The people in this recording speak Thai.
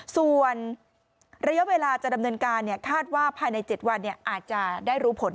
ส่วนระยะเวลาจะดำเนินการคาดว่าภายใน๗วันอาจจะได้รู้ผล